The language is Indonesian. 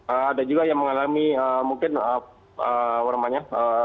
ada juga yang mengalami mungkin maaf waramanya